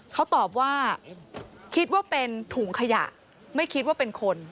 เขาตอบว่าคิดว่าเป็นถุงขยะไม่คิดว่าเป็นคน